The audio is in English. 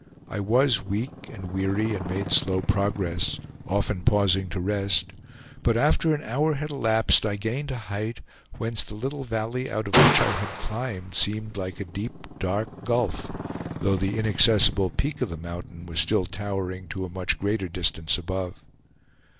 I was weak and weary and made slow progress, often pausing to rest, but after an hour had elapsed, I gained a height, whence the little valley out of which I had climbed seemed like a deep, dark gulf, though the inaccessible peak of the mountain was still towering to a much greater distance above.